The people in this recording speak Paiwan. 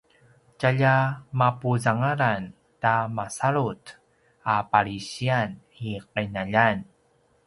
tjalja mapuzangalan ta masalut a palisiyan i qinaljan